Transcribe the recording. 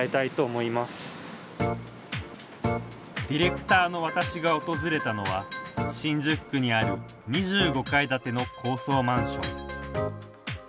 ディレクターの私が訪れたのは新宿区にある２５階建ての高層マンション。